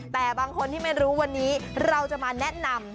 แต่บางคนที่ไม่รู้วันนี้เราจะมาแนะนำ